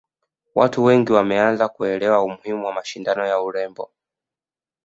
watu wengi wameanza kuelewa umuhimu wa mashindano ya urembo